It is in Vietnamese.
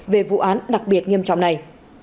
về vụ án đặc biệt nghiêm trọng này